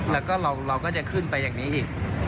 แล้วก็เราก็จะขึ้นไปอย่างนี้อีก